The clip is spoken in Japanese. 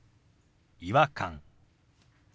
「違和感」。